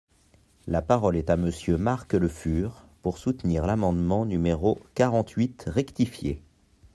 La parole est à Monsieur Marc Le Fur, pour soutenir l’amendement numéro quarante-huit rectifié.